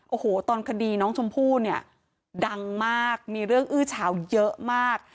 โอ้โหตอนคดีน้องชมพู่เนี่ยดังมากมีเรื่องอื้อเฉาเยอะมาก